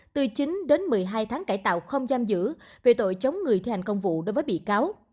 từ chín đến một mươi hai tháng cải tạo không giam giữ về tội chống người thi hành công vụ đối với bị cáo